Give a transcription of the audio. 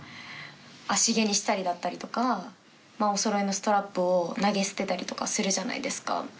足げにしたりだったりとかおそろいのストラップを投げ捨てたりとかするじゃないですか。